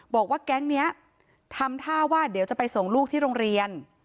บอกว่าแก๊งนี้ทำท่าว่าเดี๋ยวจะไปส่งลูกที่โรงเรียน